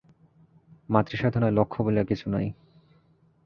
মাতৃ-সাধনায় লক্ষ্য বলিয়া কিছু নাই।